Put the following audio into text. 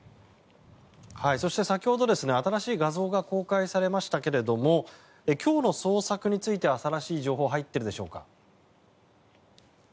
そして先ほど新しい画像が公開されましたけども今日の捜索については新しい情報は入っていますでしょうか。